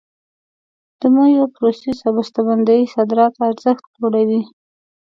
د میوو پروسس او بسته بندي صادراتي ارزښت لوړوي.